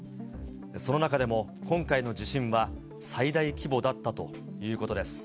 その中でも、今回の地震は最大規模だったということです。